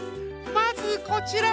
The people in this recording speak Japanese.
まずこちら。